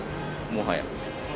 もはや。